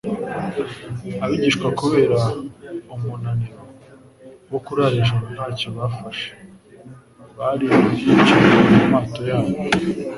Abigishwa, kubera umuruaniro wo kurara ijoro ntacyo bafashe, bari biyicanye mu mato yabo.